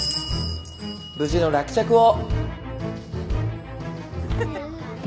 無事の落着を。